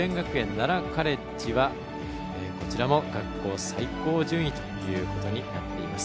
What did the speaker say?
奈良カレッジはこちらも学校最高順位ということになっています。